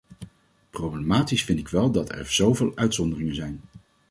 Problematisch vind ik wel dat er zoveel uitzonderingen zijn.